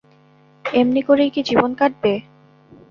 এমনি করেই কি জীবন কাটবে?